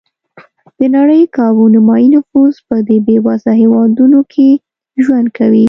د نړۍ کابو نیمایي نفوس په دې بېوزله هېوادونو کې ژوند کوي.